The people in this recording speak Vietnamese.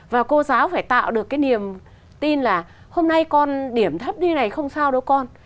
và cô giáo phải tạo được cái niềm tin là hôm nay con điểm thấp như này không sao đâu con